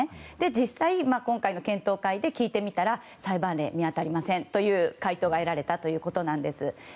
実際、今回の検討会で聞いてみたら裁判例、見当たりませんという回答が得られたということなんです。